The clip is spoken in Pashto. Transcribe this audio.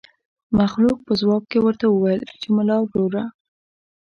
مخلوق په ځواب کې ورته وويل چې ملا وروره.